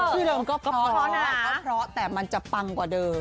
เราก็เพราะแต่มันจะปังกว่าเดิม